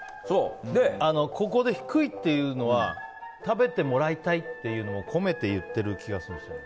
ここで低いというのは食べてもらいたいというのも込めて言ってる気がするんです。